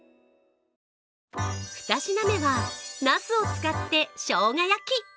２品目はなすを使ってしょうが焼き。